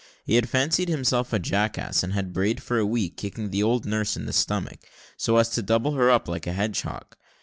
He had fancied himself a jackass, and had brayed for a week, kicking the old nurse in the stomach, so as to double her up like a hedgehog.